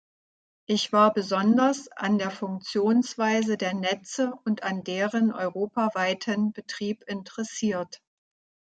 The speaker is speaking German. Ich war besonders an der Funktionsweise der Netze und an deren europaweiten Betrieb interessiert.